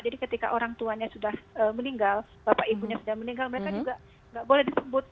jadi ketika orang tuanya sudah meninggal bapak ibunya sudah meninggal mereka juga nggak boleh disebut